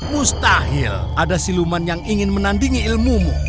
mustahil ada siluman yang ingin menandingi ilmumu